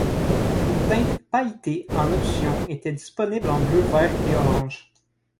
Une teinte pailletée en option était disponible en bleu, vert et orange.